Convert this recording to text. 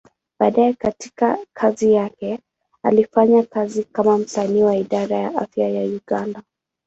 Baadaye katika kazi yake, alifanya kazi kama msanii wa Idara ya Afya ya Uganda.